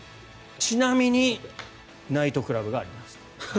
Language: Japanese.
ちなみにナイトクラブがあります。